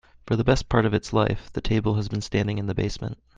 For the best part of its life, the table has been standing in the basement.